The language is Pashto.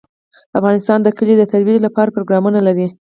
افغانستان د کلي د ترویج لپاره پروګرامونه لري.